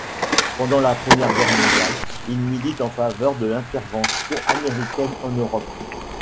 Pendant la Première Guerre mondiale, il milite en faveur de l'intervention américaine en Europe.